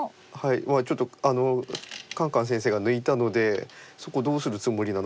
ちょっとカンカン先生が抜いたので「そこどうするつもりなの？